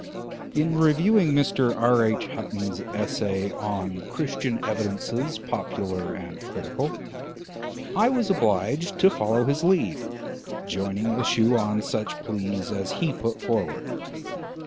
In reviewing Mr. R. H. Hutton's Essay on "Christian Evidences, Popular and Critical," I was obliged to follow his lead, joining issue on such pleas as he put forward.